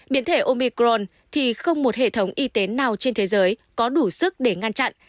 biến thể omicron thì không một hệ thống y tế nào trên thế giới có đủ sức để ngăn chặn